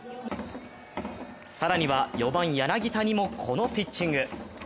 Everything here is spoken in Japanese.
更には４番・柳田にもこのピッチング。